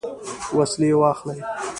وسلې واخلي.